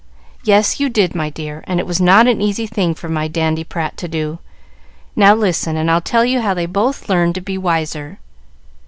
"Yes, you did, my dear; and it was not an easy thing for my dandiprat to do. Now listen, and I'll tell you how they both learned to be wiser.